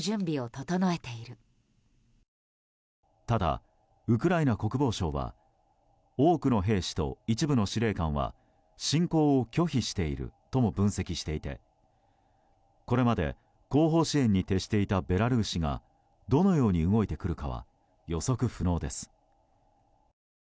ただ、ウクライナ国防省は多くの兵士と一部の司令官は侵攻を拒否しているとも分析していてこれまで後方支援に徹していたベラルーシがどのように動いてくるかは予測不能です。